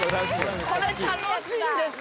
これ楽しいんです。